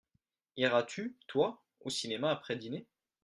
Iras-tu, toi, au cinéma après dîner ?